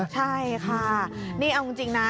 ใช่ค่ะนี่เอาจริงนะ